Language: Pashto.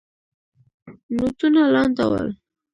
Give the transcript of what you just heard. نوټونه لانده ول.